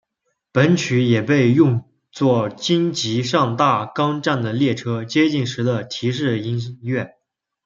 本曲也被用作京急上大冈站的列车接近时的提示音乐。